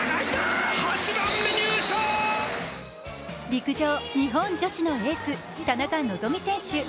陸上日本女子のエース田中希実選手。